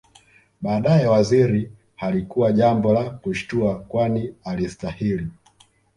Baadae Waziri halikuwa jambo la kushtua kwani alistahili